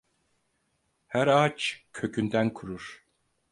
Her ağaç kökünden kurur.